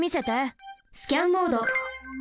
スキャンモード。